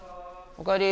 おかえり。